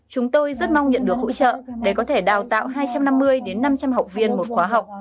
chúng tôi rất mong nhận được hỗ trợ để có thể đào tạo hai trăm năm mươi năm trăm linh học viên một khóa học